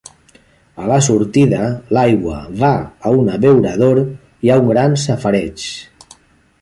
A la sortida l'aigua va a un abeurador i a un gran safareig.